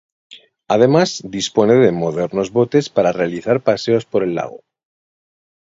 Además dispone de modernos botes para realizar paseos por el lago.